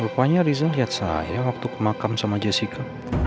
rupanya riza liat saya waktu kemakam sama jessica